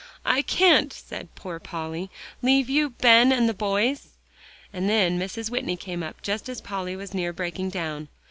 "I can't," said poor Polly, "leave you, Ben, and the boys." And then Mrs. Whitney came up just as Polly was near breaking down.